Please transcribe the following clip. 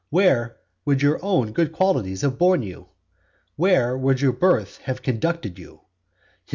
Where would your own good qualities have borne you? Where would your birth have conducted you?